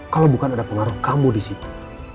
kalo bukan ada pengaruh kamu disitu